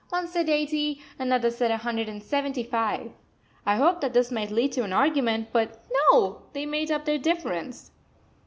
One said eighty, another said a hundred and seventy five. I hoped that this might lead to an argument, but no, they made up their difference.